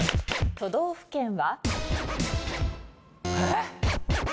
都道府県は？